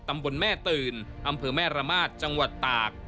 ตำบลแม่ตื่นอำเภอแม่ระมาทจังหวัดตาก